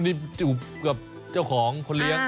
นี่จูบกับเจ้าของคนเลี้ยง